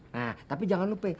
nah tapi jangan lupa